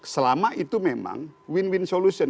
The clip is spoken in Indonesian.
selama itu memang win win solution